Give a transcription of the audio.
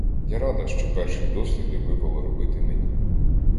Я рада, що перші досліди випало робити мені.